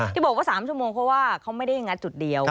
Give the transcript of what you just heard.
ที่บอกว่า๓ชั่วโมงเพราะว่าเขาไม่ได้งัดจุดเดียว